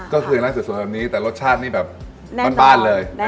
ก็คืออย่างล่างสุดส่วนแบบนี้แต่รสชาตินี่แบบ